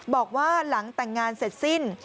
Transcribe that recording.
บอกว่าหลังแต่งงานเสร็จสิ้น